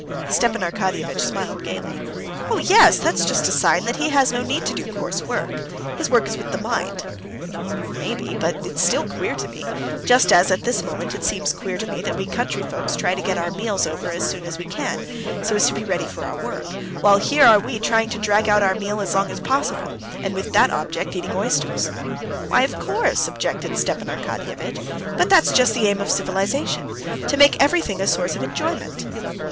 Stepan Arkadyevitch smiled gaily. "Oh, yes, that's just a sign that he has no need to do coarse work. His work is with the mind...." "Maybe. But still it's queer to me, just as at this moment it seems queer to me that we country folks try to get our meals over as soon as we can, so as to be ready for our work, while here are we trying to drag out our meal as long as possible, and with that object eating oysters...." "Why, of course," objected Stepan Arkadyevitch. "But that's just the aim of civilization—to make everything a source of enjoyment."